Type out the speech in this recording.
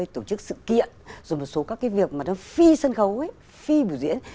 tổ chức sự kiện rồi một số các cái việc mà nó phi sân khấu phi biểu diễn